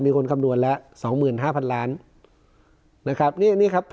คำนวณแล้วสองหมื่นห้าพันล้านนะครับนี่นี่ครับ